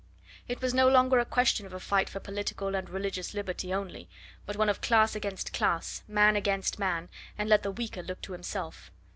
It was no longer a question of a fight for political and religious liberty only, but one of class against class, man against man, and let the weaker look to himself.